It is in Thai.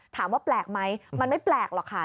ถามว่าแปลกไหมมันไม่แปลกหรอกค่ะ